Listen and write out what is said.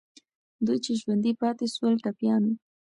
دوی چې ژوندي پاتې سول، ټپیان وو.